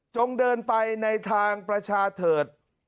เดินไปในทางประชาเถิด